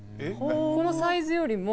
このサイズよりも。